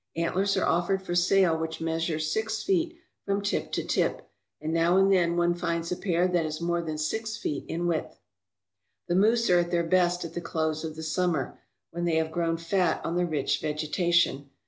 Antlers are offered for sale which measure six feet from tip to tip, and now and then one finds a pair that is more than six feet in width. The moose are at their best at the close of the summer, when they have grown fat on the rich vegetation.